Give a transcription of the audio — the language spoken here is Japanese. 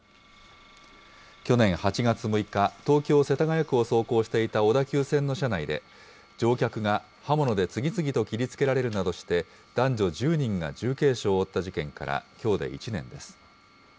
去年８月６日、東京・世田谷区を走行していた小田急線の車内で、乗客が刃物で次々と切りつけられるなどして、男女１０人が重軽傷を負った事件から、きょうで１年です。